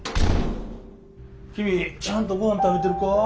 君ちゃんとごはん食べてるか？